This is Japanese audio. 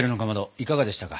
いかがでしたか？